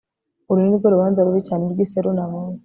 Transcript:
uru nirwo rubanza rubi cyane rw'iseru nabonye